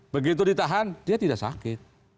begitu ditahan dia tidak sakit